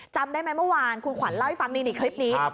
จำได้ไหมเมื่อวานคุณขวัญเล่าให้ฟังนี่คลิปนี้